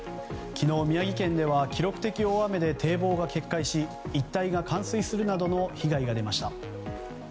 昨日、宮城県では記録的大雨で堤防が決壊し一帯が冠水するなどの被害が出ました。